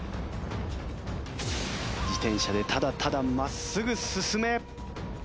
自転車でただただまっすぐススメ！